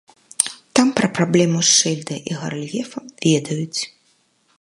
Там пра праблему з шыльдай і гарэльефам ведаюць.